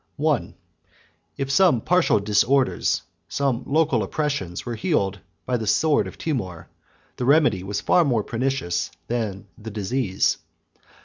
1. If some partial disorders, some local oppressions, were healed by the sword of Timour, the remedy was far more pernicious than the disease.